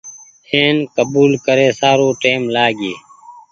اين ڪبول ڪري سارو ٽيم لآگيئي۔